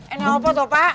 ini apa tuh pak